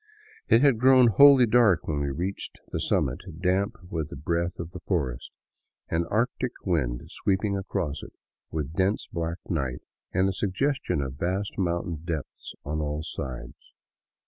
It had grown wholly dark when we reached the summit, damp with the breath of the forest, an Arctic wind sweeping across it, with dense black night and a suggestion of vast mountain depths on all sides.